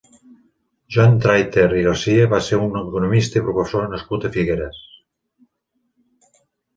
Joan Trayter i Garcia va ser un economista i professor nascut a Figueres.